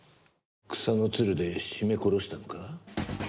草のつるで絞め殺したのか？